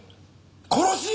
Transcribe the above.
殺し！？